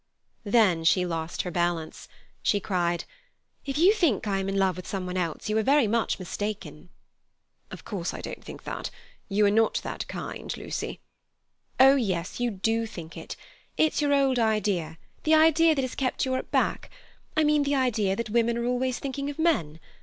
Then she lost her balance. She cried: "If you think I am in love with some one else, you are very much mistaken." "Of course I don't think that. You are not that kind, Lucy." "Oh, yes, you do think it. It's your old idea, the idea that has kept Europe back—I mean the idea that women are always thinking of men.